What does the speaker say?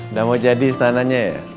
udah mau jadi istananya ya